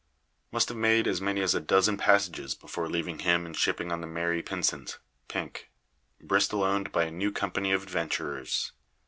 Must have made as many as a dozen passages before leaving him and shipping on the Mary Pynsent, Pink, Bristol owned by a new company of adventurers.